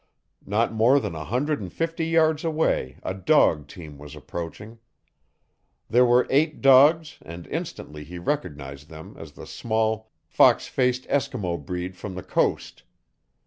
Not more than a hundred and fifty yards away a dog team was approaching. There were eight dogs and instantly he recognized them as the small fox faced Eskimo breed from the coast.